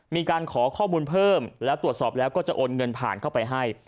มีการขอข้อมูลเพิ่มแล้วตรวจสอบแล้วก็จะโอนเงินผ่านเข้าไปให้